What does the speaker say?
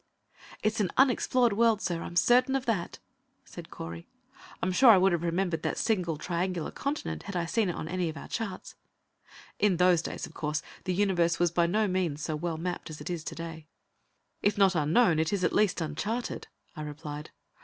"It's an unexplored world, sir. I'm certain of that," said Correy. "I am sure I would have remembered that single, triangular continent had I seen it on any of our charts." In those days, of course, the Universe was by no means so well mapped as it is today. "If not unknown, it is at least uncharted," I replied.